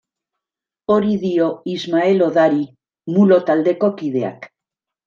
Hori dio Ismael Odari Mulo taldeko kideak.